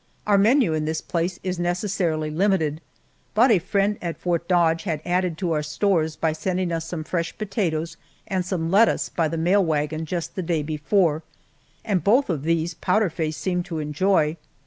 Our menu in this place is necessarily limited, but a friend at Fort Dodge had added to our stores by sending us some fresh potatoes and some lettuce by the mail wagon just the day before, and both of these Powder Face seemed to enjoy.